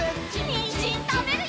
にんじんたべるよ！